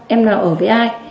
em nào ở với ai